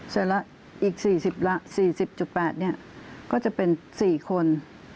เสร็จแล้วอีก๔๐๘ก็จะเป็น๔คน